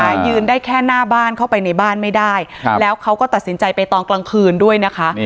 ยืนได้แค่หน้าบ้านเข้าไปในบ้านไม่ได้ครับแล้วเขาก็ตัดสินใจไปตอนกลางคืนด้วยนะคะ